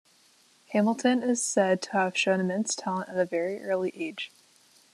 Hamilton is said to have shown immense talent at a very early age.